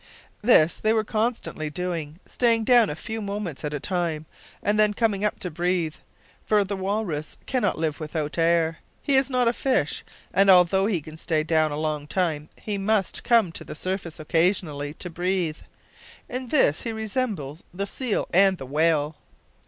This they were constantly doing; staying down a few moments at a time, and then coming up to breathe for the walrus cannot live without air. He is not a fish, and although he can stay down a long time, he must come to the surface occasionally to breathe. In this he resembles the seal and the whale.